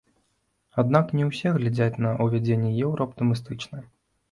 Аднак не ўсе глядзяць на ўвядзенне еўра аптымістычна.